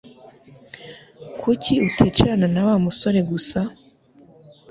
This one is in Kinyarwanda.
Kuki uticarana na Wa musore gusa?